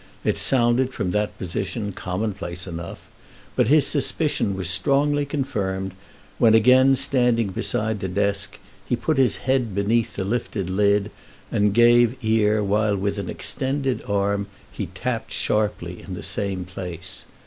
It sounded from that position commonplace enough, but his suspicion was strongly confirmed when, again standing beside the desk, he put his head beneath the lifted lid and gave ear while with an extended arm he tapped sharply in the same place.